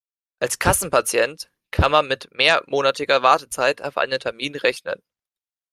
Als Kassenpatient kann man mit mehrmonatiger Wartezeit auf einen Termin rechnen.